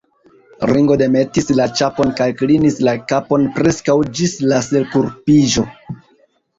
Ringo demetis la ĉapon kaj klinis la kapon preskaŭ ĝis la selkurbiĝo.